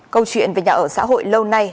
câu chuyện về nhà ở xã hội lâu nay